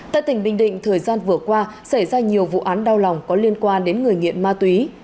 tại tỉnh bình định thời gian vừa qua xảy ra nhiều vụ án đau lòng có liên quan đến người nghiện ma túy